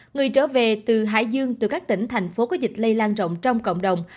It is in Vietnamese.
người trở về từ hải dương từ các tỉnh thành phố có dịch lây lan rộng trong cộng đồng